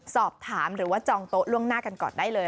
สอบถามหรือว่าจองโต๊ะล่วงหน้ากันก่อนได้เลย